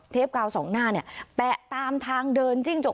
กาวสองหน้าเนี่ยแปะตามทางเดินจิ้งจก